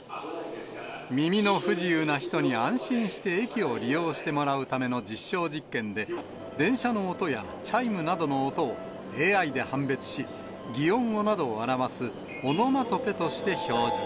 耳の不自由な人に安心して駅を利用してもらうための実証実験で、電車の音やチャイムなどの音を、ＡＩで判別し、擬音語などを表す、オノマトペとして表示。